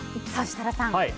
設楽さん。